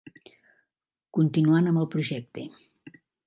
Continuant amb el projecte.